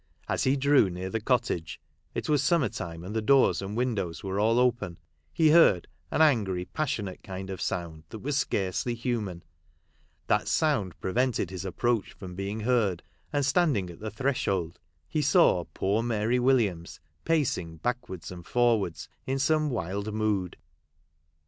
As he drew near the cottage — it was summer time, and the doors and windows were all open — he heard an angry, passionate kind of sound that was scarcely human. That sound prevented his approach from being heard ; and standing at the threshold, he saw poor Mary Williams pacing backwards and for wards in some wild mood.